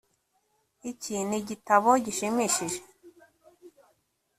Iki ni igitabo gishimishije